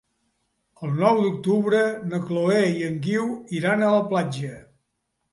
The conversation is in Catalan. El nou d'octubre na Chloé i en Guiu iran a la platja.